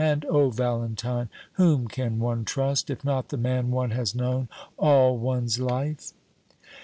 And O Valentine, whom can one trust, if not the man one has known all one's life!"